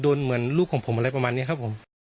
เหมือนลูกของผมอะไรประมาณนี้ครับผม